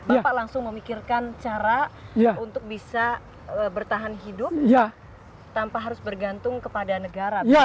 bapak langsung memikirkan cara untuk bisa bertahan hidup tanpa harus bergantung kepada negara